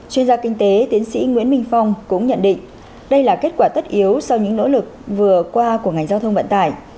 chuyên gia kinh tế tiến sĩ nguyễn minh phong cũng nhận định đây là kết quả tất yếu sau những nỗ lực vừa qua của ngành giao thông vận tải